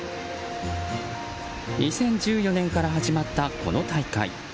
２０１４年から始まったこの大会。